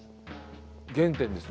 原点ですね。